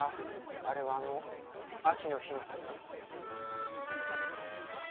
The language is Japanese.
あれはあの秋の日のこと。